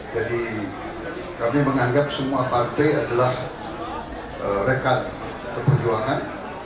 jadi kami menganggap semua partai adalah rekan seperjuangan